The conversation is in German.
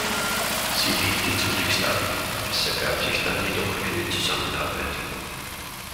Sie lehnte zunächst ab, es ergab sich dann jedoch eine Zusammenarbeit.